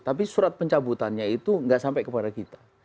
tapi surat pencabutannya itu nggak sampai kepada kita